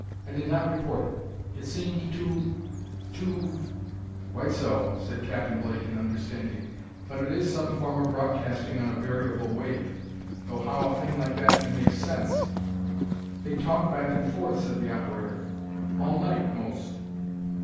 I did not report it. It seemed too too " "Quite so," said Captain Blake in understanding, "but it is some form of broadcasting on a variable wave; though how a thing like that can make sense " "They talk back and forth," said the operator; "all night, most.